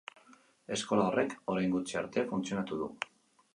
Eskola horrek orain gutxi arte funtzionatu du.